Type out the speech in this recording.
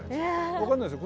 分かんないですよ。